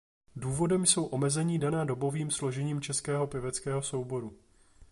Důvodem jsou omezení daná dobovým složením českého pěveckého souboru.